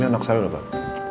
ini anak saya dulu pak